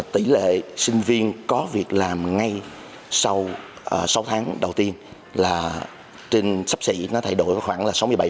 tỷ lệ sinh viên có việc làm ngay sau sáu tháng đầu tiên là trên sắp xỉ nó thay đổi khoảng là sáu mươi bảy